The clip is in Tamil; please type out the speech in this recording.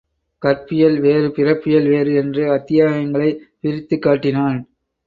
கற்பியல் வேறு பிறப்பியல் வேறு என்று அத்தியாயங் களைப் பிரித்துக் காட்டினான்.